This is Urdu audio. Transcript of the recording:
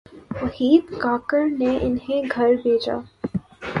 وحید کاکڑ نے انہیں گھر بھیجا۔